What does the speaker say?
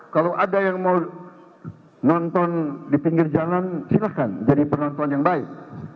kalau ada yang mau nonton di pinggir jalan silahkan jadi penonton yang baik